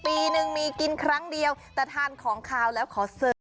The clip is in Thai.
ปีนึงมีกินครั้งเดียวแต่ทานของขาวแล้วขอเสิร์ฟ